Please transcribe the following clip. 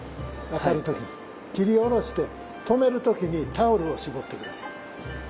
斬り下ろして止める時にタオルを絞って下さい。